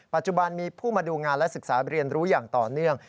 ปัจจุบันมีผู้มาดูงานและศึกษาเรียนรู้อย่างต่อเนื่อง